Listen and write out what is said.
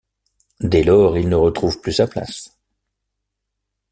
Dès lors, il ne retrouve plus sa place.